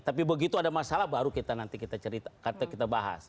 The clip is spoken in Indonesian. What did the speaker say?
tapi begitu ada masalah baru kita nanti kita cerita nanti kita bahas